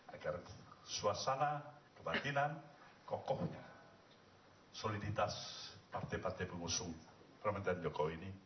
agar suasana kebatinan kokohnya soliditas partai partai pengusung pemerintahan jokowi ini